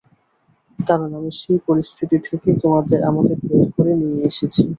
কারণ, আমি সেই পরিস্থিতি থেকে আমাদের বের করে নিয়ে এসেছি।